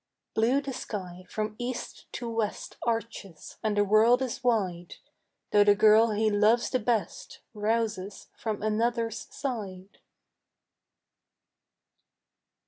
Blue the sky from east to west Arches, and the world is wide, Though the girl he loves the best Rouses from another's side.